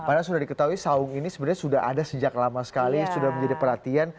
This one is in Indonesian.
padahal sudah diketahui saung ini sebenarnya sudah ada sejak lama sekali sudah menjadi perhatian